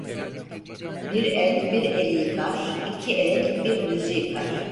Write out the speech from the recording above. Bir el bir eli yıkar, iki el bir yüzü yıkar.